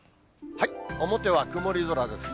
表は曇り空ですね。